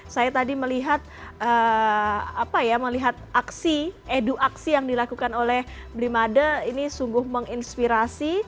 saya tadi melihat aksi edu aksi yang dilakukan oleh brimade ini sungguh menginspirasi